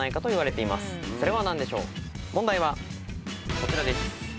問題はこちらです。